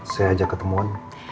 saya ajak ketemuan